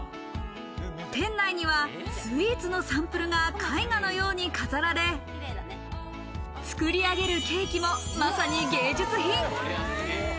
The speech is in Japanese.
店内にはスイーツのサンプルが絵画のように飾られ、作り上げるケーキもまさに芸術品。